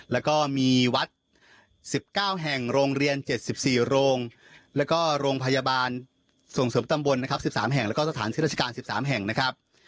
แล้วก็มีวัดสิบเก้าแห่งโรงเรียนเจ็ดสิบสี่โรงแล้วก็โรงพยาบาลส่งเสริมตำบลนะครับสิบสามแห่งแล้วก็สถานที่ราชการสิบสามแห่งนะครับ